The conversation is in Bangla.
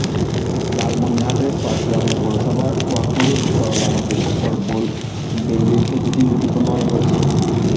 লালমনিরহাটের পাটগ্রাম পৌরসভার সোহাগপুরে ধরলা নদীর ওপর বেইলি সেতুটি ঝুঁকিপূর্ণ হয়ে পড়েছে।